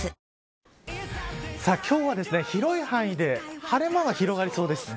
今日は広い範囲で晴れ間が広がりそうです。